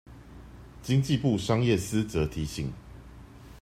經濟部商業司則提醒